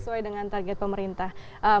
sesuai dengan target pemerintah